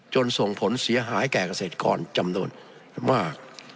ส่งผลเสียหายแก่เกษตรกรจำนวนมาก